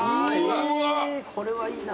えこれはいいな。